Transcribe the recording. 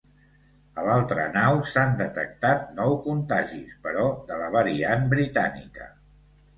A l’altra nau s’han detectat nou contagis, però de la variant britànica.